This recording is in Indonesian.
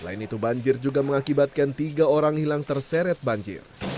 selain itu banjir juga mengakibatkan tiga orang hilang terseret banjir